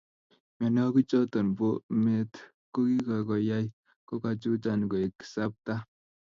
Mionwogiichotok bo meet kokikakoyai kokachuchan koek sapta